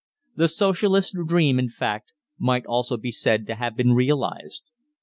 The Socialist dream, in fact, might almost be said to have been realised.